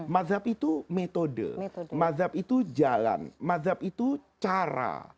mazhab itu metode madhab itu jalan mazhab itu cara